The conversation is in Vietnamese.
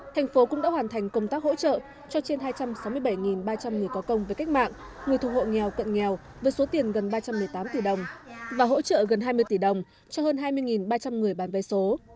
thành phố cũng đã hoàn thành công tác hỗ trợ cho trên hai trăm sáu mươi bảy ba trăm linh người có công với cách mạng người thuộc hộ nghèo cận nghèo với số tiền gần ba trăm một mươi tám tỷ đồng và hỗ trợ gần hai mươi tỷ đồng cho hơn hai mươi ba trăm linh người bán vé số